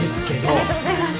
ありがとうございます。